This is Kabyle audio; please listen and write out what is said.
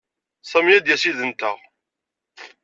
Sami ad d-yas yid-nteɣ.